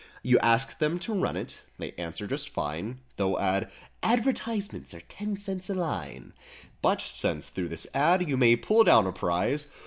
You ask them to run it; they answer just fine— Though add—"Advertisements are ten cents a line— But since through this ad. you may pull down a prize.